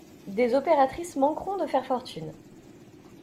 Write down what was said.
Des opératrices manqueront de faire fortune.